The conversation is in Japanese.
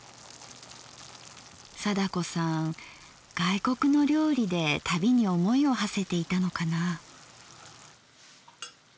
貞子さん外国の料理で旅に思いをはせていたのかなぁ。